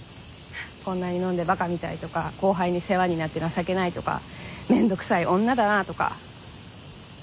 こんなに飲んで馬鹿みたいとか後輩に世話になって情けないとか面倒くさい女だなあとか。